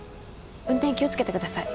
運転気をつけてください